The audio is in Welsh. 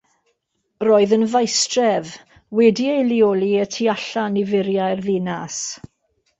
Roedd yn faestref, wedi ei leoli y tu allan i furiau'r ddinas.